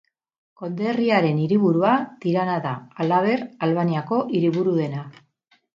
Konderriaren hiriburua Tirana da, halaber Albaniako hiriburu dena.